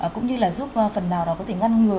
cũng như là giúp phần nào đó có thể ngăn ngừa